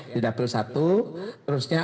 di dapil satu terusnya